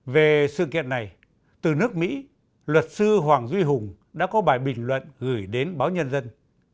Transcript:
về sự kiện này từ nước mỹ luật sư hoàng duy hùng đã có bài bình luận gửi đến báo nhân dân